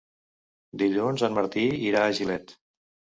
Dilluns en Martí irà a Gilet.